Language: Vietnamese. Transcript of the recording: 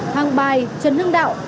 hàng bài trần hương đạo